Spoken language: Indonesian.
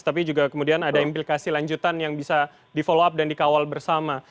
tapi juga kemudian ada implikasi lanjutan yang bisa di follow up dan dikawal bersama